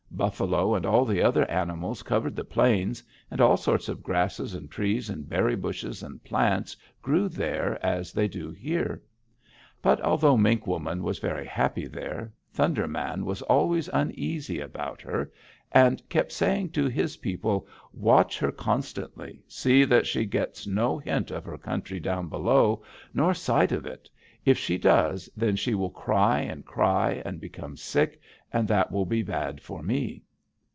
Buffalo and all the other animals covered the plains, and all sorts of grasses and trees and berry bushes and plants grew there as they do here. "But although Mink Woman was very happy there, Thunder Man was always uneasy about her, and kept saying to his people, 'Watch her constantly; see that she gets no hint of her country down below, nor sight of it. If she does, then she will cry and cry, and become sick, and that will be bad for me.'